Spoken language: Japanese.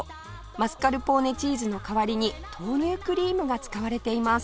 マスカルポーネチーズの代わりに豆乳クリームが使われています